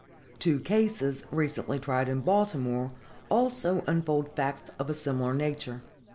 Two cases recently tried in Baltimore also unfold facts of a similar nature.